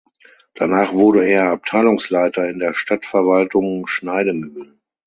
Danach wurde er Abteilungsleiter in der Stadtverwaltung Schneidemühl.